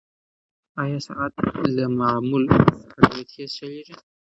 ایا ساعت له معمول څخه ډېر تېز چلیږي؟